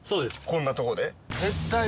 こんなとこで？